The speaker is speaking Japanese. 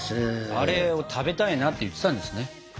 あれを食べたいなって言ってたんですね。